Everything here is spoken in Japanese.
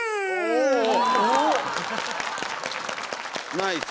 ナイス！